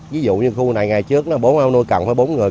ví dụ như khu này ngày trước bốn ông nuôi cần phải bốn người